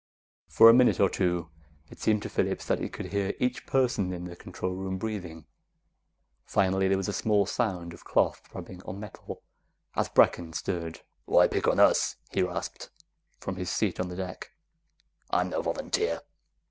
For a minute or two, it seemed to Phillips that he could hear each person in the control room breathing. Finally, there was a small sound of cloth rubbing on metal as Brecken stirred. "Why pick on us?" he rasped from his seat on the deck. "I'm no volunteer!"